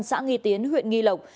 xã nghi tiến huyện nghi lộc